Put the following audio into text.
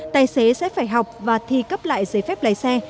tài xế sẽ phải học và thi cấp lại giấy phép lái xe